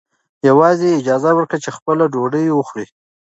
یوازې یې اجازه ورکړه چې خپله ډوډۍ وخوري.